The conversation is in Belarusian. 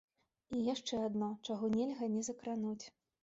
І яшчэ адно, чаго нельга не закрануць.